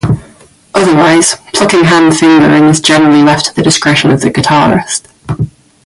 Otherwise, plucking-hand fingering is generally left to the discretion of the guitarist.